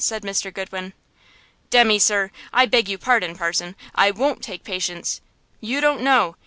said Mr. Goodwin. "Demmy, sir, I beg you pardon, parson, I won't take patience! You don't know!